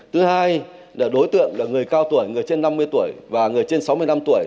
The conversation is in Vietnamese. thứ hai là đối tượng là người cao tuổi người trên năm mươi tuổi và người trên sáu mươi năm tuổi